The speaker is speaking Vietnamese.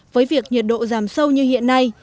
với việc nhiệt độ giảm sâu như hiện nay